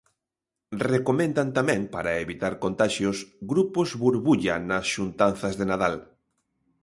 Recomendan tamén, para evitar contaxios, grupos burbulla nas xuntanzas de Nadal.